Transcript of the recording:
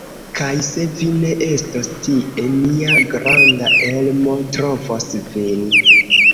Kaj, se vi ne estos tie, mia granda Elmo trovos vin.